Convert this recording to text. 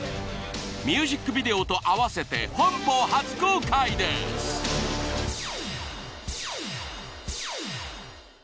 ミュージックビデオと合わせて本邦初公開です！